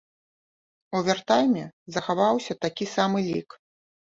У авертайме захаваўся такі самы лік.